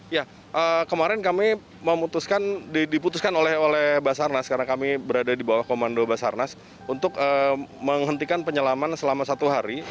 ya kemarin kami memutuskan diputuskan oleh basarnas karena kami berada di bawah komando basarnas untuk menghentikan penyelaman selama satu hari